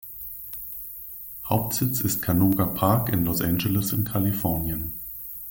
Hauptsitz ist Canoga Park in Los Angeles in Kalifornien.